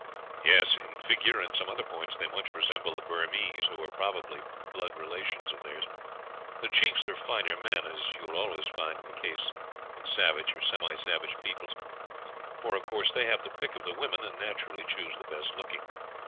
"Yes, in figure and some other points they much resemble the Burmese, who are probably blood relations of theirs. The chiefs are finer men, as you will always find in the case in savage or semi savage peoples, for, of course, they have the pick of the women, and naturally choose the best looking.